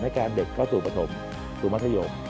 ให้การเด็กเข้าสู่ปฐมสู่มัธยก